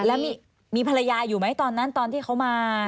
แล้วมีภรรยาอยู่ไหมตอนนั้นตอนที่เขามา